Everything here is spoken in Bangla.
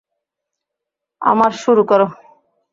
আমার শুরু করো।